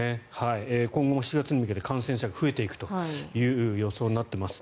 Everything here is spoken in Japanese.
今後も７月に向けて感染者が増えていくという予想になっています。